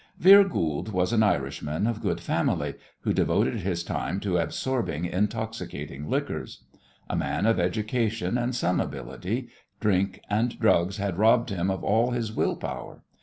Vere Goold was an Irishman of good family, who devoted his time to absorbing intoxicating liquors. A man of education and some ability, drink and drugs had robbed him of all his will power.